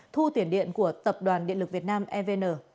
thu tiền điện của tập đoàn điện lực việt nam evn